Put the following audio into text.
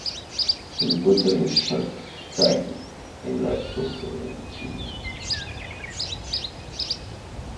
Se encuentra en Shanghái, en la costa de China.